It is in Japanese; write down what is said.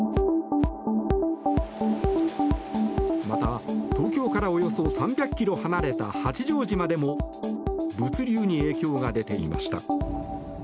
また、東京からおよそ３００ｋｍ離れた八丈島でも物流に影響が出ていました。